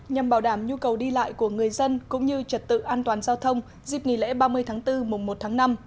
nhằm bảo đảm nhu cầu đi lại của người dân cũng như trật tự an toàn giao thông dịp nghỉ lễ ba mươi tháng bốn mùng một tháng năm